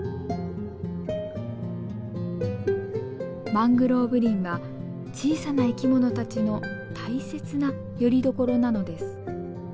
マングローブ林は小さな生き物たちの大切なよりどころなのです。